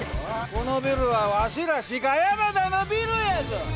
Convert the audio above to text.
このビルはわしら鹿山田のビルやぞ！